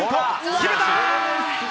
決めた！